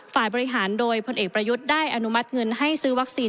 ฝ่ายบริหารโดยพลเอกประยุทธ์ได้อนุมัติเงินให้ซื้อวัคซีน